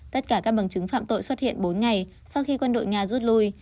tất cả các bằng chứng phạm tội xuất hiện bốn ngày sau khi quân đội nga rút lui